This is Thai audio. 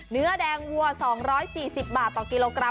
เนื้อแดงวัว๒๔๐บาทต่อกิโลกรัม